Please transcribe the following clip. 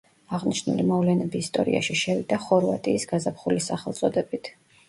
აღნიშნული მოვლენები ისტორიაში შევიდა ხორვატიის გაზაფხულის სახელწოდებით.